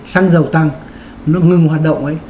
xăng dầu tăng nó ngưng hoạt động ấy